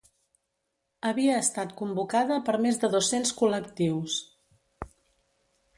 Havia estat convocada per més de dos-cents col·lectius.